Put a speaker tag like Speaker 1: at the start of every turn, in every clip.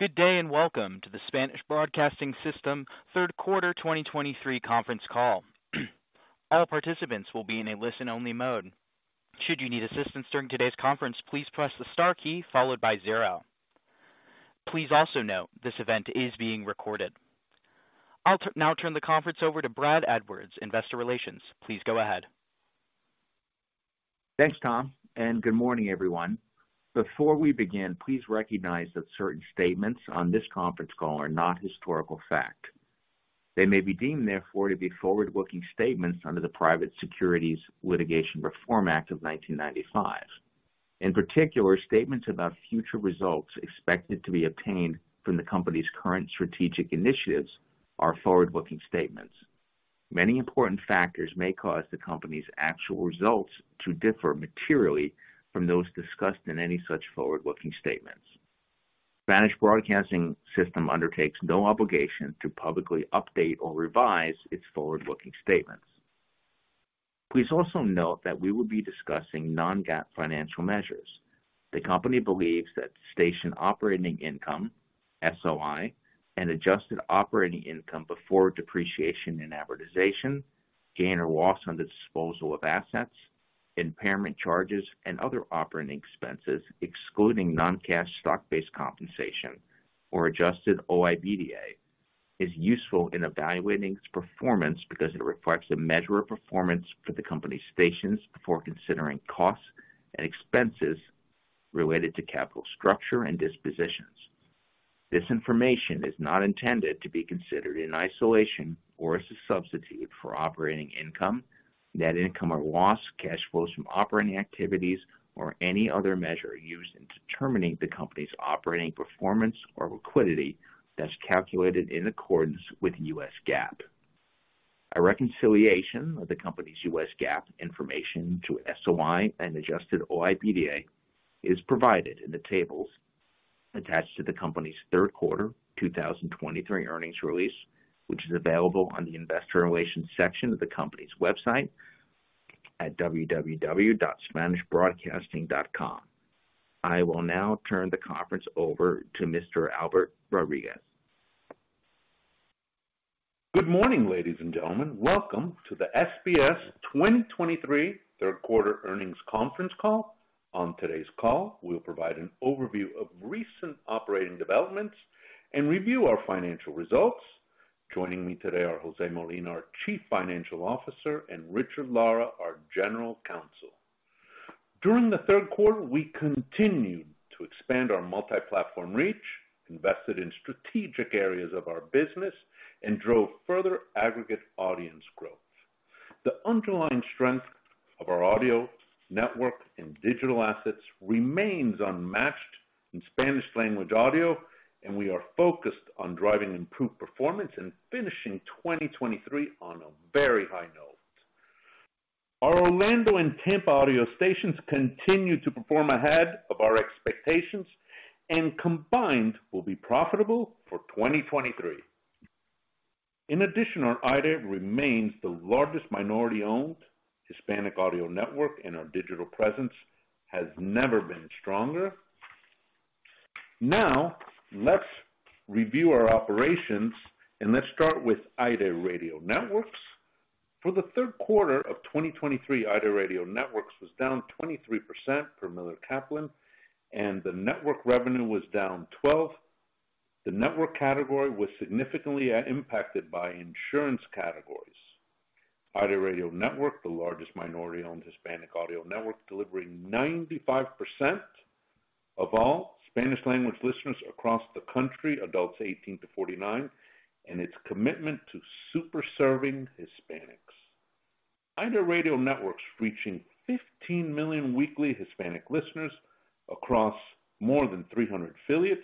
Speaker 1: Good day, and welcome to the Spanish Broadcasting System Third Quarter 2023 Conference Call. All participants will be in a listen-only mode. Should you need assistance during today's conference, please press the star key followed by zero. Please also note this event is being recorded. I'll now turn the conference over to Brad Edwards, Investor Relations. Please go ahead.
Speaker 2: Thanks, Tom, and good morning, everyone. Before we begin, please recognize that certain statements on this conference call are not historical fact. They may be deemed, therefore, to be forward-looking statements under the Private Securities Litigation Reform Act of 1995. In particular, statements about future results expected to be obtained from the company's current strategic initiatives are forward-looking statements. Many important factors may cause the company's actual results to differ materially from those discussed in any such forward-looking statements. Spanish Broadcasting System undertakes no obligation to publicly update or revise its forward-looking statements. Please also note that we will be discussing non-GAAP financial measures. The company believes that station operating income, SOI, and adjusted operating income before depreciation and amortization, gain or loss on the disposal of assets, impairment charges, and other operating expenses, excluding non-cash stock-based compensation or adjusted OIBDA, is useful in evaluating its performance because it reflects a measure of performance for the company's stations before considering costs and expenses related to capital structure and dispositions. This information is not intended to be considered in isolation or as a substitute for operating income, net income or loss, cash flows from operating activities, or any other measure used in determining the company's operating performance or liquidity that's calculated in accordance with U.S. GAAP. A reconciliation of the company's U.S. GAAP information to SOI and adjusted OIBDA is provided in the tables attached to the company's third quarter 2023 earnings release, which is available on the investor relations section of the company's website at www.spanishbroadcasting.com. I will now turn the conference over to Mr. Albert Rodriguez.
Speaker 3: Good morning, ladies and gentlemen. Welcome to the SBS 2023 Third Quarter Earnings Conference Call. On today's call, we'll provide an overview of recent operating developments and review our financial results. Joining me today are José Molina, our Chief Financial Officer, and Richard Lara, our General Counsel. During the third quarter, we continued to expand our multi-platform reach, invested in strategic areas of our business, and drove further aggregate audience growth. The underlying strength of our audio, network, and digital assets remains unmatched in Spanish language audio, and we are focused on driving improved performance and finishing 2023 on a very high note. Our Orlando and Tampa audio stations continue to perform ahead of our expectations and combined will be profitable for 2023. In addition, our AIRE remains the largest minority-owned Hispanic audio network, and our digital presence has never been stronger. Now, let's review our operations, and let's start with AIRE Radio Networks. For the third quarter of 2023, AIRE Radio Networks was down 23% per Miller Kaplan, and the network revenue was down 12%. The network category was significantly impacted by insurance categories. AIRE Radio Network, the largest minority-owned Hispanic audio network, delivering 95% of all Spanish language listeners across the country, adults 18-49, and its commitment to super serving Hispanics. AIRE Radio Networks, reaching 15 million weekly Hispanic listeners across more than 300 affiliates,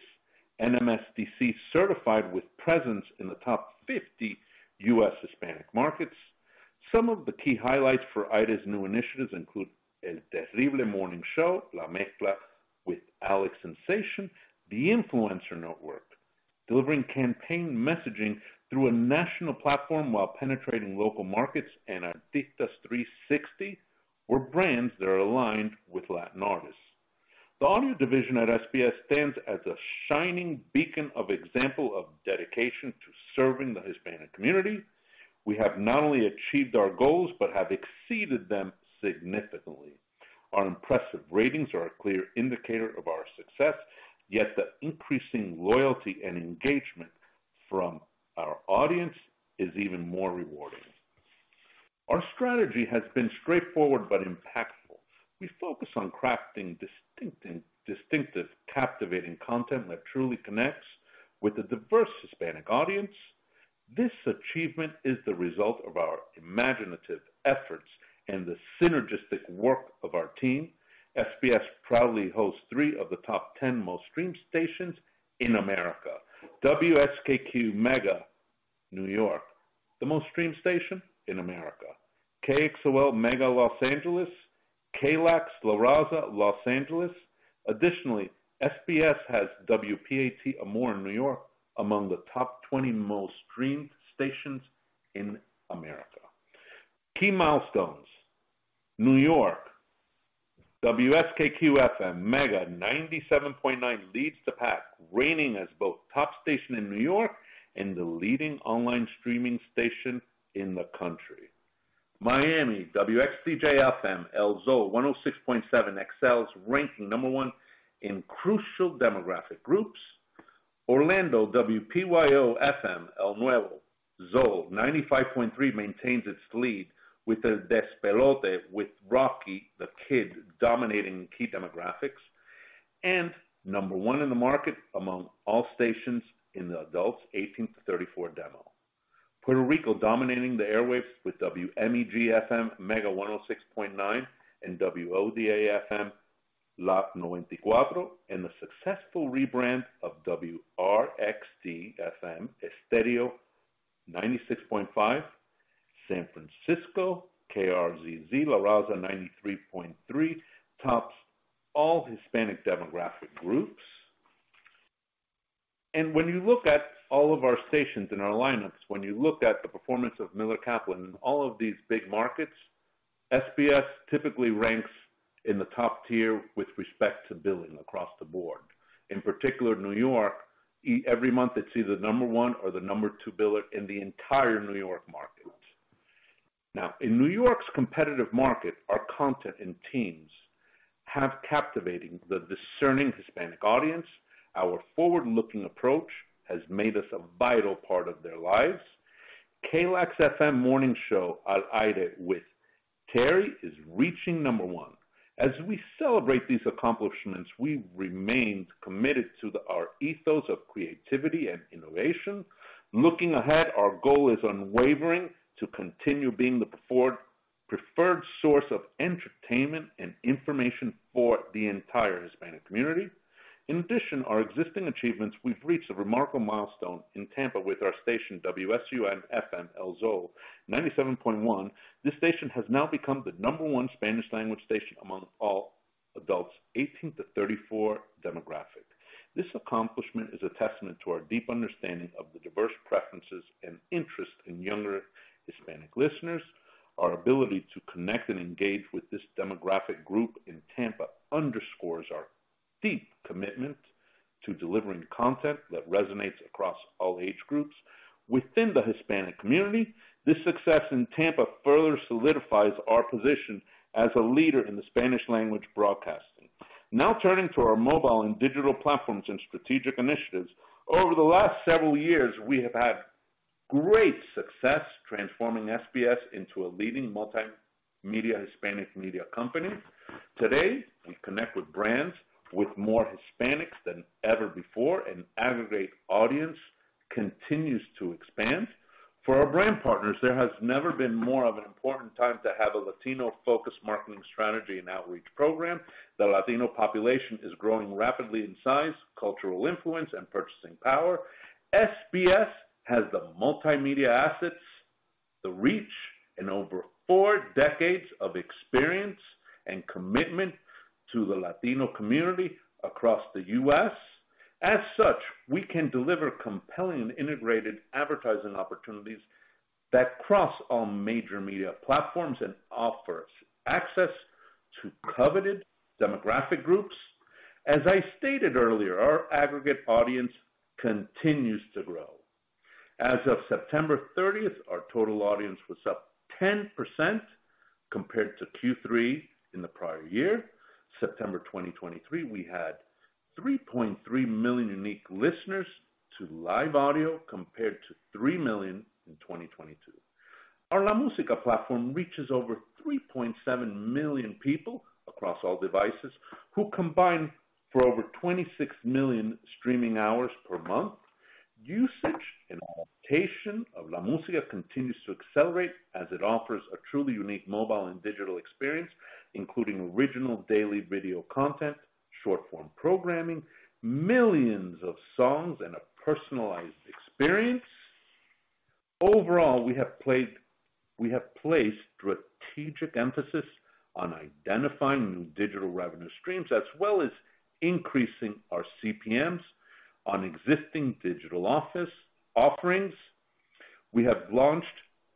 Speaker 3: NMSDC certified with presence in the top 50 U.S. Hispanic markets. Some of the key highlights for AIRE's new initiatives include El Terrible Morning Show, La Mezcla with Alex Sensation, The Influencer Network, delivering campaign messaging through a national platform while penetrating local markets, and Artistas360, or brands that are aligned with Latin artists. The audio division at SBS stands as a shining beacon of example of dedication to serving the Hispanic community. We have not only achieved our goals but have exceeded them significantly. Our impressive ratings are a clear indicator of our success, yet the increasing loyalty and engagement from our audience is even more rewarding. Our strategy has been straightforward but impactful. We focus on crafting distinct and distinctive, captivating content that truly connects with the diverse Hispanic audience. This achievement is the result of our imaginative efforts and the synergistic work of our team. SBS proudly hosts three of the top 10 most streamed stations in America. WSKQ Mega, New York, the most streamed station in America. KXOL Mega Los Angeles, KLAX La Raza, Los Angeles. Additionally, SBS has WPAT Amor in New York, among the top 20 most streamed stations in America. Key milestones: New York WSKQ-FM Mega 97.9 leads the pack, reigning as both top station in New York and the leading online streaming station in the country. Miami, WXDJ-FM, El Zol 106.7 excels, ranking number one in crucial demographic groups. Orlando, WPYO-FM, El Nuevo Zol 95.3, maintains its lead with El Despelote, with Rocky The Kid dominating key demographics, and number one in the market among all stations in the adults 18-34 demo. Puerto Rico dominating the airwaves with WMEG-FM, Mega 106.9, and WODA-FM, La Noventa y Cuatro, and the successful rebrand of WRXT-FM, Estéreo 96.5. San Francisco, KRZZ, La Raza 93.3, tops all Hispanic demographic groups. When you look at all of our stations and our lineups, when you look at the performance of Miller Kaplan in all of these big markets, SBS typically ranks in the top tier with respect to billing across the board. In particular, New York, every month, it's either the number one or the number two biller in the entire New York market. Now, in New York's competitive market, our content and teams have captivating the discerning Hispanic audience. Our forward-looking approach has made us a vital part of their lives. KLAX-FM morning show, Al Aire with Terry, is reaching number one. As we celebrate these accomplishments, we remained committed to our ethos of creativity and innovation. Looking ahead, our goal is unwavering to continue being the preferred, preferred source of entertainment and information for the entire Hispanic community. In addition, our existing achievements, we've reached a remarkable milestone in Tampa with our station, WSUN-FM, El Zol 97.1. This station has now become the number one Spanish language station among all adults 18-34 demographic. This accomplishment is a testament to our deep understanding of the diverse preferences and interests in younger Hispanic listeners. Our ability to connect and engage with this demographic group in Tampa underscores our deep commitment to delivering content that resonates across all age groups within the Hispanic community. This success in Tampa further solidifies our position as a leader in the Spanish language broadcasting. Now, turning to our mobile and digital platforms and strategic initiatives. Over the last several years, we have had great success transforming SBS into a leading multimedia Hispanic media company. Today, we connect with brands with more Hispanics than ever before, and aggregate audience continues to expand. For our brand partners, there has never been more of an important time to have a Latino-focused marketing strategy and outreach program. The Latino population is growing rapidly in size, cultural influence, and purchasing power. SBS has the multimedia assets, the reach, and over four decades of experience and commitment to the Latino community across the U.S. As such, we can deliver compelling, integrated advertising opportunities that cross all major media platforms and offers access to coveted demographic groups. As I stated earlier, our aggregate audience continues to grow. As of September 30th, our total audience was up 10% compared to Q3 in the prior year. September 2023, we had 3.3 million unique listeners to live audio, compared to 3 million in 2022. Our LaMusica platform reaches over 3.7 million people across all devices, who combine for over 26 million streaming hours per month. Usage and adaptation of LaMusica continues to accelerate as it offers a truly unique mobile and digital experience, including original daily video content, short-form programming, millions of songs, and a personalized experience. Overall, we have placed strategic emphasis on identifying new digital revenue streams, as well as increasing our CPMs on existing digital office offerings. We have launched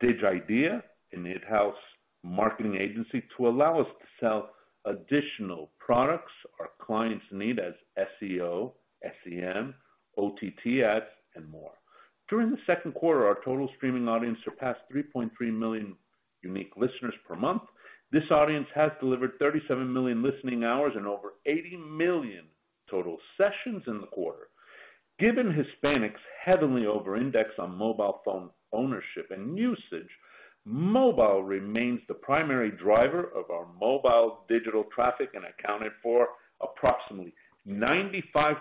Speaker 3: Digidea, an in-house marketing agency, to allow us to sell additional products our clients need as SEO, SEM, OTT ads, and more. During the second quarter, our total streaming audience surpassed 3.3 million unique listeners per month. This audience has delivered 37 million listening hours and over 80 million total sessions in the quarter. Given Hispanics heavily over-index on mobile phone ownership and usage, mobile remains the primary driver of our mobile digital traffic and accounted for approximately 95%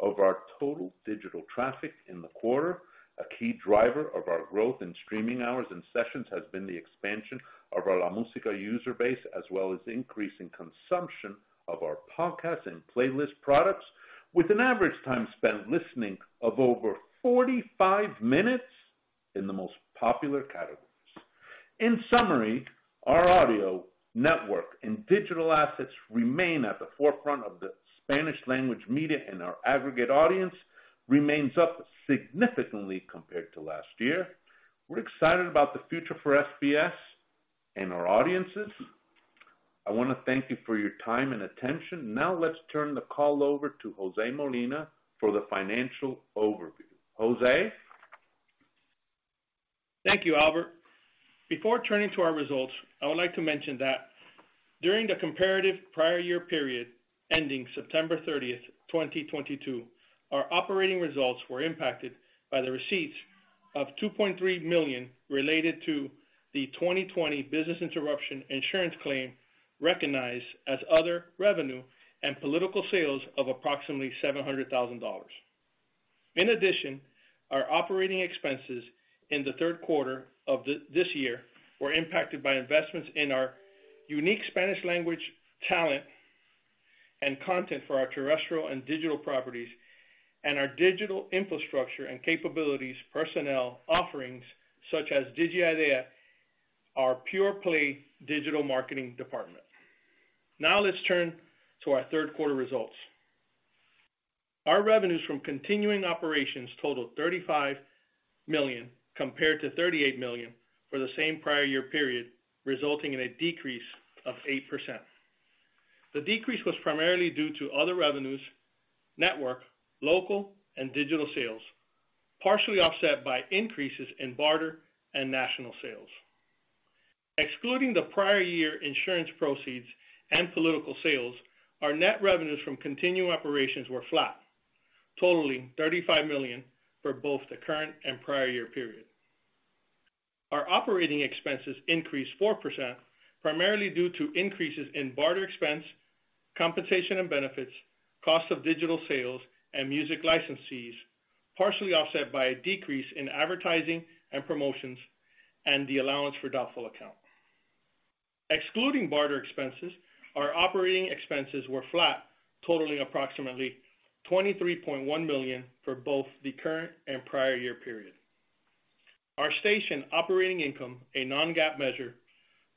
Speaker 3: of our total digital traffic in the quarter. A key driver of our growth in streaming hours and sessions has been the expansion of our LaMusica user base, as well as increasing consumption of our podcast and playlist products, with an average time spent listening of over 45 minutes in the most popular categories. In summary, our audio, network, and digital assets remain at the forefront of the Spanish language media and our aggregate audience remains up significantly compared to last year. We're excited about the future for SBS and our audiences. I want to thank you for your time and attention. Now, let's turn the call over to José Molina for the financial overview. José?
Speaker 4: Thank you, Albert. Before turning to our results, I would like to mention that during the comparative prior year period, ending September 30, 2022, our operating results were impacted by the receipts of $2.3 million related to the 2020 business interruption insurance claim, recognized as other revenue and political sales of approximately $700,000. In addition, our operating expenses in the third quarter of this year were impacted by investments in our unique Spanish language, talent, and content for our terrestrial and digital properties, and our digital infrastructure and capabilities, personnel, offerings such as Digidea, our pure play digital marketing department. Now let's turn to our third quarter results. Our revenues from continuing operations totaled $35 million, compared to $38 million for the same prior year period, resulting in a decrease of 8%. The decrease was primarily due to other revenues, network, local and digital sales, partially offset by increases in barter and national sales. Excluding the prior year insurance proceeds and political sales, our net revenues from continuing operations were flat, totaling $35 million for both the current and prior year period. Our operating expenses increased 4%, primarily due to increases in barter expense, compensation and benefits, cost of digital sales, and music licensees, partially offset by a decrease in advertising and promotions, and the allowance for doubtful account. Excluding barter expenses, our operating expenses were flat, totaling approximately $23.1 million for both the current and prior year period. Our station operating income, a non-GAAP measure,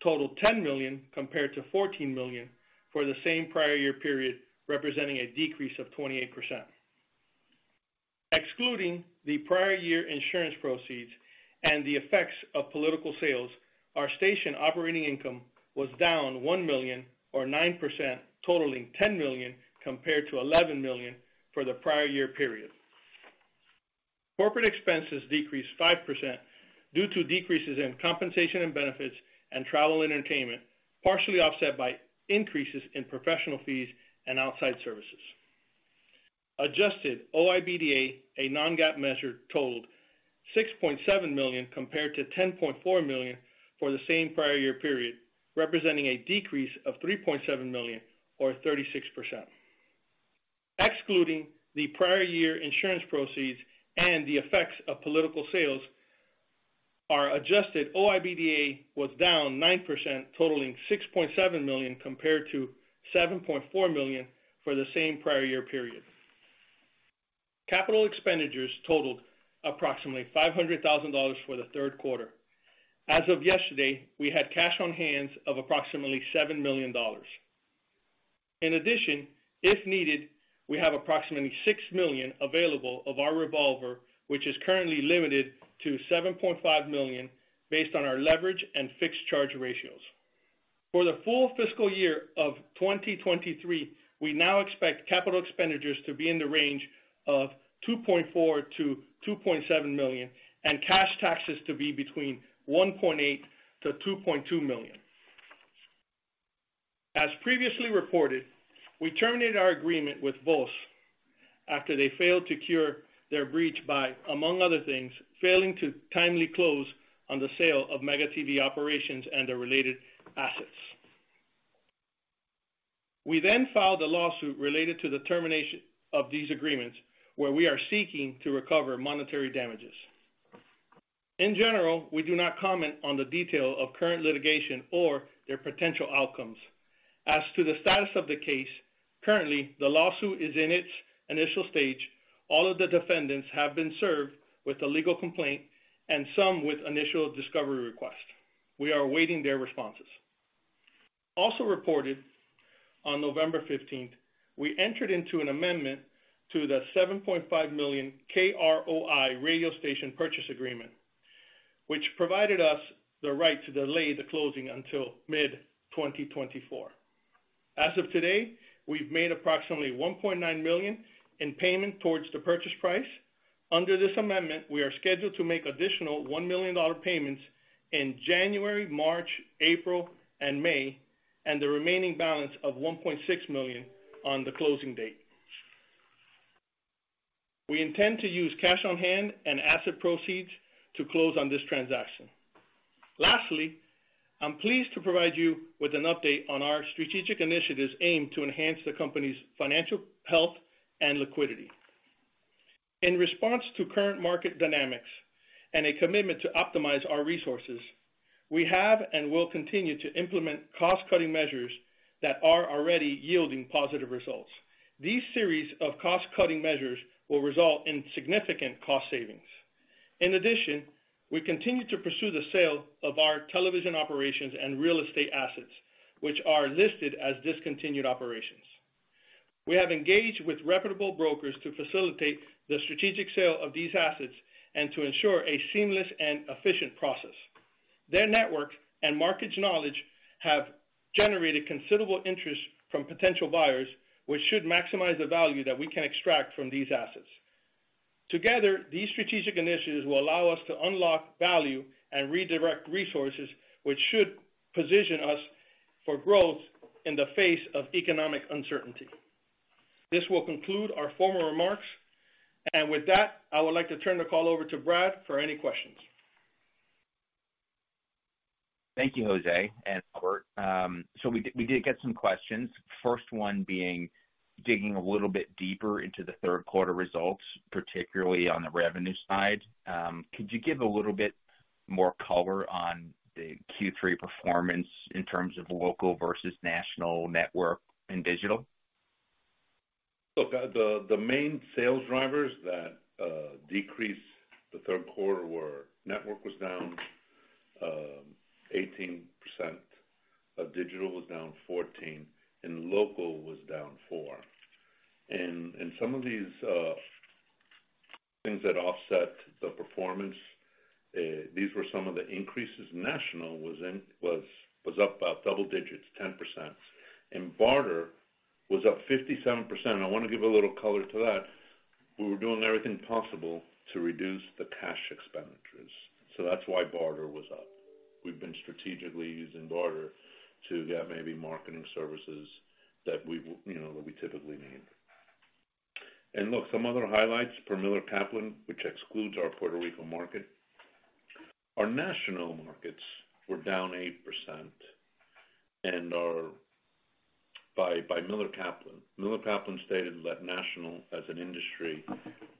Speaker 4: totaled $10 million compared to $14 million for the same prior year period, representing a decrease of 28%. Excluding the prior year insurance proceeds and the effects of political sales, our station operating income was down $1 million or 9%, totaling $10 million compared to $11 million for the prior year period. Corporate expenses decreased 5% due to decreases in compensation and benefits and travel entertainment, partially offset by increases in professional fees and outside services. Adjusted OIBDA, a non-GAAP measure, totaled $6.7 million compared to $10.4 million for the same prior year period, representing a decrease of $3.7 million or 36%. Excluding the prior year insurance proceeds and the effects of political sales, our adjusted OIBDA was down 9%, totaling $6.7 million compared to $7.4 million for the same prior year period. Capital expenditures totaled approximately $500,000 for the third quarter. As of yesterday, we had cash on hand of approximately $7 million. In addition, if needed, we have approximately $6 million available of our revolver, which is currently limited to $7.5 million based on our leverage and fixed charge ratios. For the full fiscal year of 2023, we now expect capital expenditures to be in the range of $2.4 million-$2.7 million, and cash taxes to be between $1.8 million-$2.2 million. As previously reported, we terminated our agreement with Voz after they failed to cure their breach by, among other things, failing to timely close on the sale of Mega TV operations and the related assets. We then filed a lawsuit related to the termination of these agreements, where we are seeking to recover monetary damages. In general, we do not comment on the detail of current litigation or their potential outcomes. As to the status of the case, currently, the lawsuit is in its initial stage. All of the defendants have been served with a legal complaint and some with initial discovery requests. We are awaiting their responses. Also reported on November 15, we entered into an amendment to the $7.5 million KROI radio station purchase agreement, which provided us the right to delay the closing until mid-2024. As of today, we've made approximately $1.9 million in payment towards the purchase price. Under this amendment, we are scheduled to make additional $1 million payments in January, March, April, and May, and the remaining balance of $1.6 million on the closing date. We intend to use cash on hand and asset proceeds to close on this transaction. Lastly, I'm pleased to provide you with an update on our strategic initiatives aimed to enhance the company's financial health and liquidity. In response to current market dynamics and a commitment to optimize our resources, we have and will continue to implement cost-cutting measures that are already yielding positive results. These series of cost-cutting measures will result in significant cost savings. In addition, we continue to pursue the sale of our television operations and real estate assets, which are listed as discontinued operations. We have engaged with reputable brokers to facilitate the strategic sale of these assets and to ensure a seamless and efficient process. Their network and market knowledge have generated considerable interest from potential buyers, which should maximize the value that we can extract from these assets. Together, these strategic initiatives will allow us to unlock value and redirect resources, which should position us for growth in the face of economic uncertainty. This will conclude our formal remarks. With that, I would like to turn the call over to Brad for any questions.
Speaker 2: Thank you, José and Albert. We did get some questions. First one being, digging a little bit deeper into the third quarter results, particularly on the revenue side. Could you give a little bit more color on the Q3 performance in terms of local versus national network and digital?
Speaker 3: Look, the main sales drivers that decreased the third quarter were: network was down 18%, digital was down 14%, and local was down 4%. And some of these things that offset the performance, these were some of the increases. National was up about double digits, 10%, and barter was up 57%. I want to give a little color to that. We were doing everything possible to reduce the cash expenditures, so that's why barter was up. We've been strategically using barter to get maybe marketing services that we you know, that we typically need. And look, some other highlights per Miller Kaplan, which excludes our Puerto Rico market. Our national markets were down 8% by Miller Kaplan. Miller Kaplan stated that national, as an industry,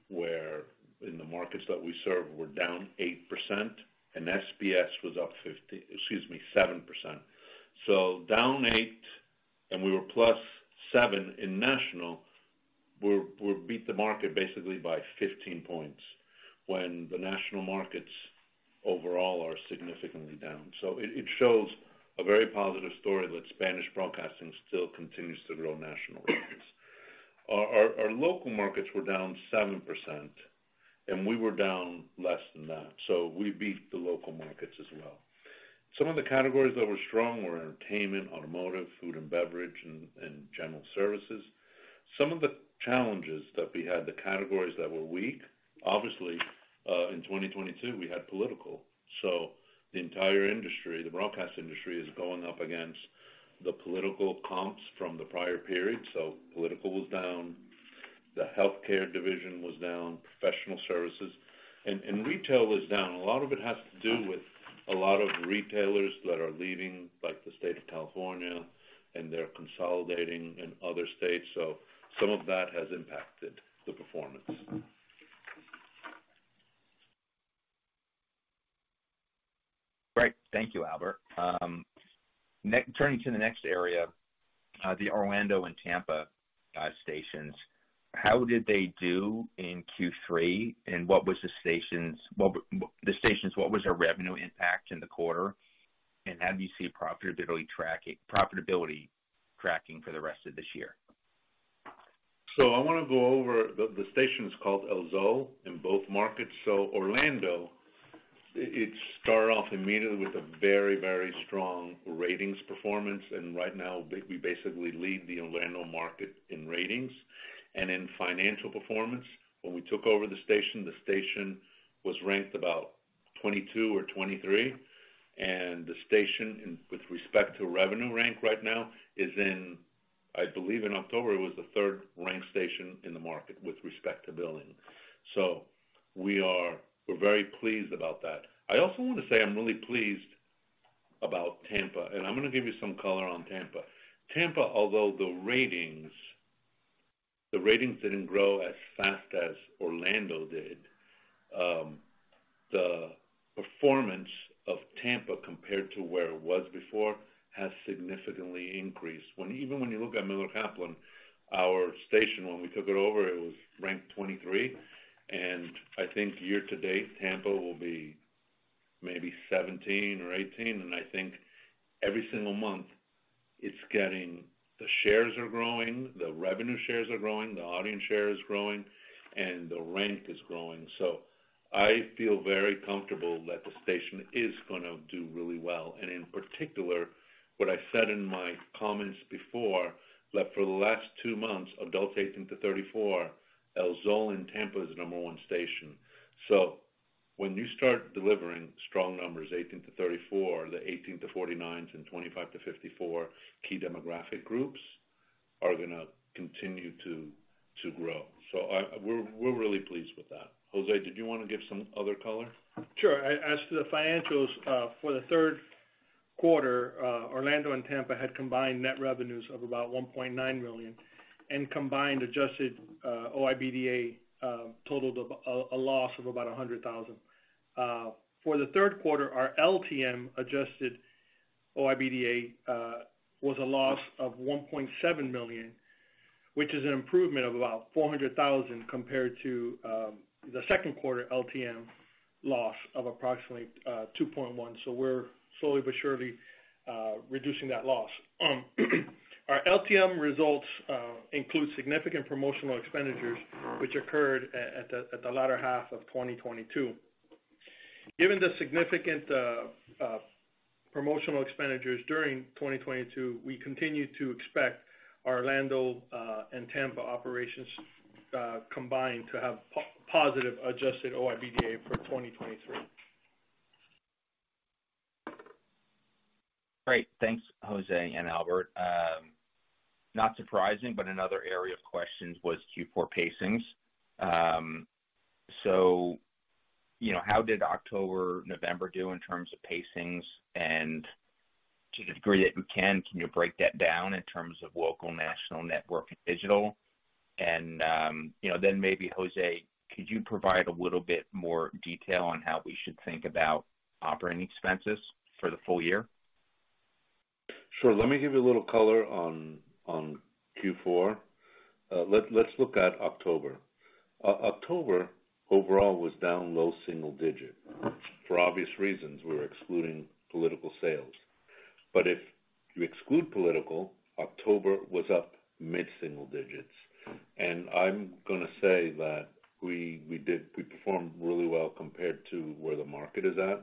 Speaker 3: were in the markets that we serve down 8% and SBS was up 50, excuse me, 7%. So down 8%, and we were +7% in national, we beat the market basically by 15 points, when the national markets overall are significantly down. So it shows a very positive story that Spanish Broadcasting still continues to grow nationally. Our local markets were down 7%, and we were down less than that, so we beat the local markets as well. Some of the categories that were strong were entertainment, automotive, food and beverage, and general services. Some of the challenges that we had, the categories that were weak, obviously, in 2022, we had political, so the entire industry, the broadcast industry, is going up against the political comps from the prior period. So political was down, the healthcare division was down, professional services and retail was down. A lot of it has to do with a lot of retailers that are leaving, like the state of California, and they're consolidating in other states. So some of that has impacted the performance.
Speaker 2: Great. Thank you, Albert. Turning to the next area, the Orlando and Tampa stations, how did they do in Q3, and what was the stations' revenue impact in the quarter? And how do you see profitability tracking for the rest of this year?
Speaker 3: So I want to go over the station is called El Zol in both markets. So Orlando, it started off immediately with a very, very strong ratings performance, and right now, we basically lead the Orlando market in ratings and in financial performance. When we took over the station, the station was ranked about 22 or 23, and the station, with respect to revenue rank right now, is in, I believe, in October, it was the third-ranked station in the market with respect to billing. So we are, we're very pleased about that. I also want to say I'm really pleased about Tampa, and I'm going to give you some color on Tampa. Tampa, although the ratings didn't grow as fast as Orlando did, the performance of Tampa, compared to where it was before, has significantly increased. When even when you look at Miller Kaplan, our station, when we took it over, it was ranked 23, and I think year to date, Tampa will be maybe 17 or 18. And I think every single month it's getting. The shares are growing, the revenue shares are growing, the audience share is growing, and the rank is growing. So I feel very comfortable that the station is gonna do really well. And in particular, what I said in my comments before, that for the last two months, adults 18 to 34, El Zol in Tampa is the number one station. So when you start delivering strong numbers, 18 to 34, the 18 to 49s and 25 to 54, key demographic groups are gonna continue to grow. So we're really pleased with that. José, did you want to give some other color?
Speaker 4: Sure. As for the financials, for the third quarter, Orlando and Tampa had combined net revenues of about $1.9 million, and combined adjusted OIBDA totaled a loss of about $100,000. For the third quarter, our LTM adjusted OIBDA was a loss of $1.7 million, which is an improvement of about $400,000 compared to the second quarter LTM loss of approximately $2.1 million. So we're slowly but surely reducing that loss. Our LTM results include significant promotional expenditures which occurred in the latter half of 2022. Given the significant promotional expenditures during 2022, we continue to expect our Orlando and Tampa operations combined to have positive adjusted OIBDA for 2023.
Speaker 2: Great. Thanks, José and Albert. Not surprising, but another area of questions was Q4 pacings. So, you know, how did October, November do in terms of pacings? And, you know, then maybe, José, could you provide a little bit more detail on how we should think about operating expenses for the full year?
Speaker 3: Sure. Let me give you a little color on Q4. Let's look at October. October overall was down low single digit. For obvious reasons, we're excluding political sales. But if you exclude political, October was up mid-single digits. And I'm gonna say that we did, we performed really well compared to where the market is at.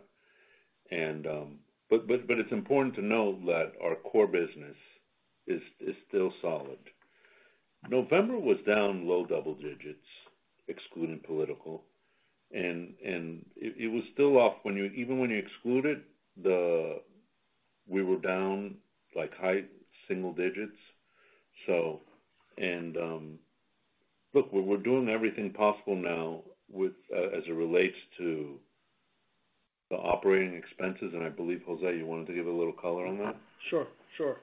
Speaker 3: And, but it's important to note that our core business is still solid. November was down low double digits, excluding political, and it was still off when you, even when you exclude it, the. We were down, like, high single digits. So. Look, we're doing everything possible now with, as it relates to the operating expenses, and I believe, José, you wanted to give a little color on that?
Speaker 4: Sure, sure.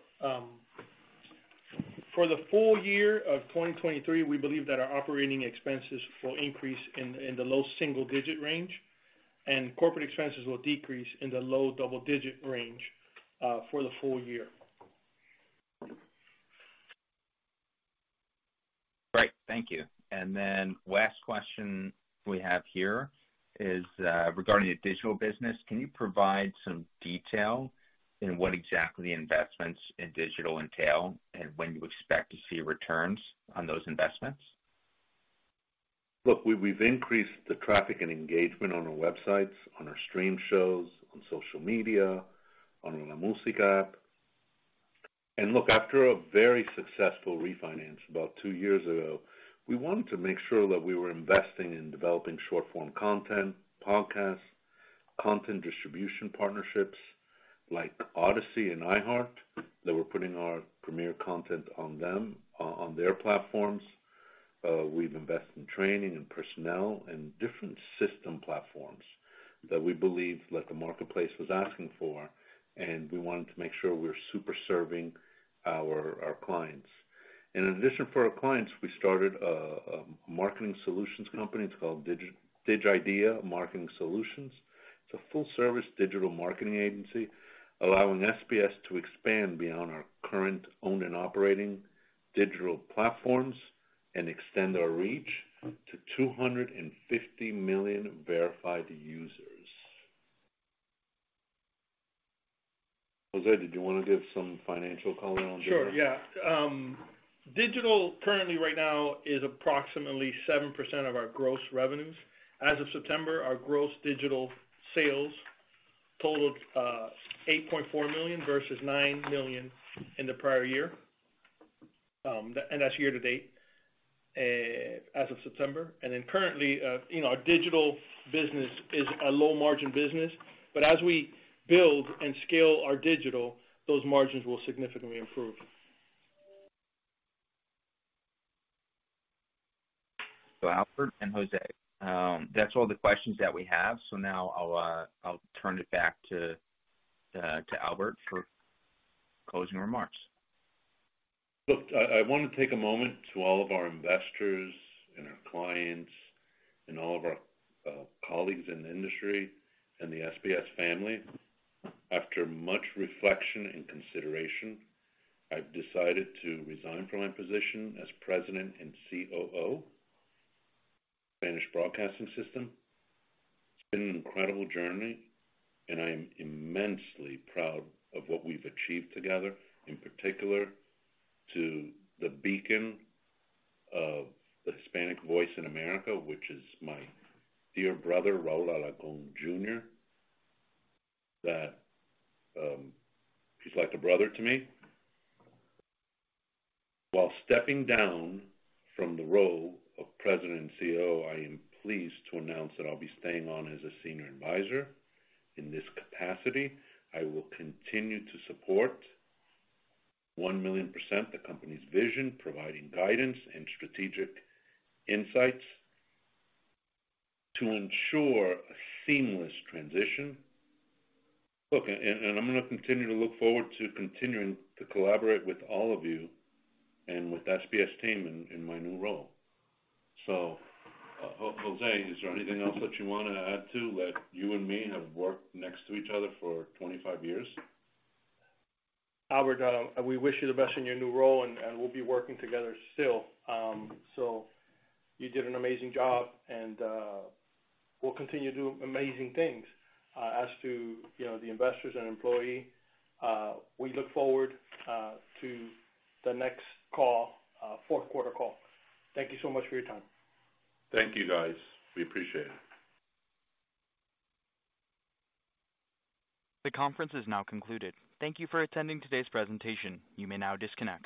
Speaker 4: For the full year of 2023, we believe that our operating expenses will increase in the low single-digit range, and corporate expenses will decrease in the low double-digit range, for the full year.
Speaker 2: Great, thank you. And then last question we have here is, regarding the digital business. Can you provide some detail in what exactly investments in digital entail and when you expect to see returns on those investments?
Speaker 3: Look, we've increased the traffic and engagement on our websites, on our stream shows, on social media, on our LaMusica app. Look, after a very successful refinance about two years ago, we wanted to make sure that we were investing in developing short-form content, podcasts, content distribution partnerships, like Audacy and iHeart, that we're putting our premier content on them, on their platforms. We've invested in training and personnel and different system platforms that we believe that the marketplace was asking for, and we wanted to make sure we're super serving our clients. In addition, for our clients, we started a marketing solutions company. It's called Digidea Marketing Solutions. It's a full-service digital marketing agency, allowing SBS to expand beyond our current owned and operating digital platforms and extend our reach to 250 million verified users. José, did you wanna give some financial color on digital?
Speaker 4: Sure, yeah. Digital currently right now is approximately 7% of our gross revenues. As of September, our gross digital sales totaled $8.4 million versus $9 million in the prior year. That's year to date, as of September. Currently, you know, our digital business is a low-margin business, but as we build and scale our digital, those margins will significantly improve.
Speaker 2: Albert and José, that's all the questions that we have. Now I'll turn it back to Albert for closing remarks.
Speaker 3: Look, I, I wanna take a moment to all of our investors and our clients and all of our colleagues in the industry and the SBS family. After much reflection and consideration, I've decided to resign from my position as President and COO, Spanish Broadcasting System. It's been an incredible journey, and I am immensely proud of what we've achieved together, in particular, to the beacon of the Hispanic voice in America, which is my dear brother, Raúl Alarcón Jr., that he's like a brother to me. While stepping down from the role of president and COO, I am pleased to announce that I'll be staying on as a senior advisor. In this capacity, I will continue to support 1 million% the company's vision, providing guidance and strategic insights to ensure a seamless transition. Look, and I'm gonna continue to look forward to continuing to collaborate with all of you and with the SBS team in my new role. So, José, is there anything else that you wanna add, too? That you and me have worked next to each other for 25 years.
Speaker 4: Albert, we wish you the best in your new role, and, and we'll be working together still. So you did an amazing job, and, we'll continue to do amazing things. As to, you know, the investors and employee, we look forward to the next call, fourth quarter call. Thank you so much for your time.
Speaker 3: Thank you, guys. We appreciate it.
Speaker 1: The conference is now concluded. Thank you for attending today's presentation. You may now disconnect.